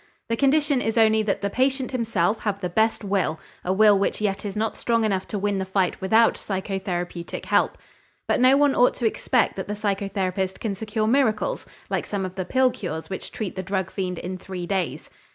The condition is only that the patient himself have the best will, a will which yet is not strong enough to win the fight without psychotherapeutic help. But no one ought to expect that the psychotherapist can secure miracles like some of the pill cures which treat the drug fiend in three days.